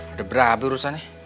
ada berapa urusannya